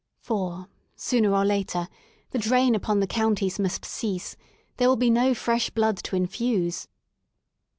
For, sooner or late, the drain upon the counties must cease: there will no fresh blood to in fuse.